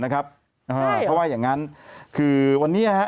เขาว่าอย่างนั้นคือวันนี้นะฮะ